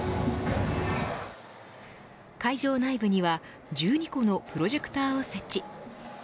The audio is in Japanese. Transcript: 会場内部には１２個のプロジェクターを設置。